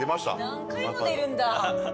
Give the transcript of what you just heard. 何回も出るんだ。